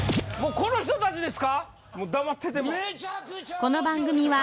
この人達ですか？